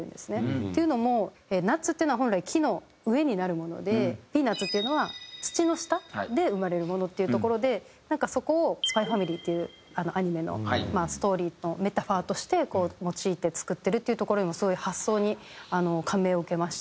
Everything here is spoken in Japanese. っていうのもナッツっていうのは本来木の上になるものでピーナッツっていうのは土の下で生まれるものっていうところでなんかそこを『ＳＰＹ×ＦＡＭＩＬＹ』っていうアニメのストーリーのメタファーとして用いて作ってるっていうところにもすごい発想に感銘を受けました。